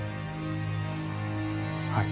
はい。